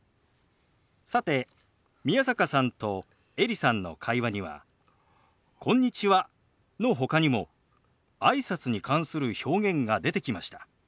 さて宮坂さんとエリさんの会話には「こんにちは」のほかにもあいさつに関する表現が出てきました。